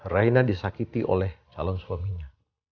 raina disakiti oleh calon suaminya